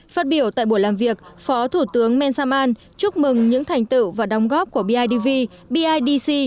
phát biểu tại buổi làm việc phó thủ tướng mensaman chúc mừng những thành tựu và đóng góp của bidv bidc